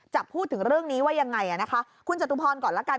จะพูดถึงเรื่องนี้ว่ายังไงนะคะคุณจตุพรก่อนละกัน